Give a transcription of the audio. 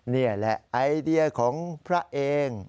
นี่แหละไอเดียของพระเอง